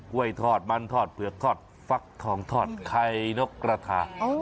้วยทอดมันทอดเผือกทอดฟักทองทอดไข่นกกระทา